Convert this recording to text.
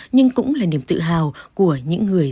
nhưng cũng là niềm tự hào của những người